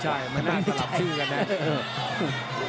ใช่มันน่าจะตลับชื่อกัน